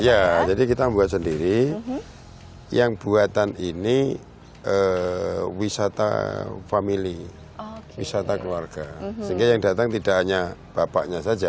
ya jadi kita buat sendiri yang buatan ini wisata family wisata keluarga sehingga yang datang tidak hanya bapaknya saja